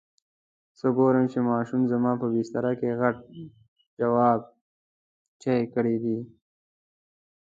څه ګورم چې ماشوم زما په بستره کې غټ جواب چای کړی دی.